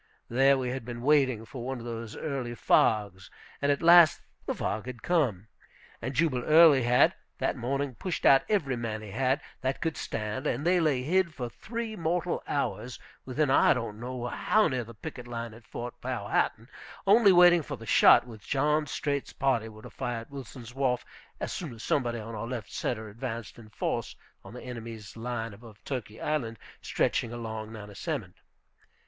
There we had been waiting for one of those early fogs, and at last the fog had come. And Jubal Early had, that morning, pushed out every man he had, that could stand; and they lay hid for three mortal hours, within I don't know how near the picket line at Fort Powhatan, only waiting for the shot which John Streight's party were to fire at Wilson's Wharf, as soon as somebody on our left centre advanced in force on the enemy's line above Turkey Island stretching across to Nansemond.